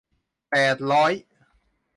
แปดร้อย